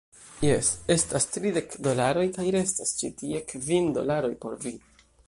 Jes, estas tridek dolaroj, kaj restas ĉi tie kvin dolaroj por vi.